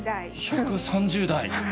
１３０台。